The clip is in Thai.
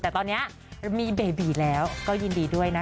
แต่ตอนนี้มีเบบีแล้วก็ยินดีด้วยนะคะ